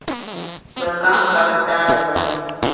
Bɛ ka n-ka bɛ taali bahi.